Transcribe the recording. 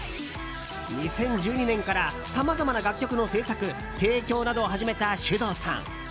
２０１２年からさまざまな楽曲の制作・提供などを始めたｓｙｕｄｏｕさん。